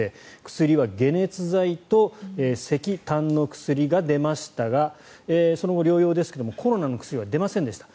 薬は解熱剤とせき、たんの薬が出ましたがその後、療養ですがコロナの薬は出ませんでした。